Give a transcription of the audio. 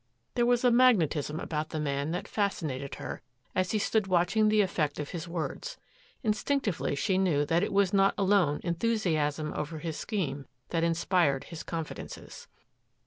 There was a magnetism about the man that fascinated her, as he stood watching the effect of his words. Instinctively she knew that it was not alone enthusiasm over his scheme that inspired his confidences.